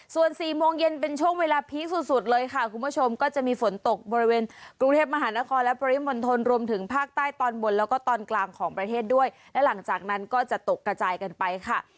ส่วนสี่โมงเย็นเป็นช่วงเวลาพีคสุดสุดเลยค่ะคุณผู้ชมก็จะมีฝนตกบริเวณกรุงเทพมหานครและปริมณฑลรวมถึงภาคใต้ตอนบนแล้วก็ตอนกลางของประเทศด้วยและหลังจากนั้นก็จะตกกระจายกันไปค่ะ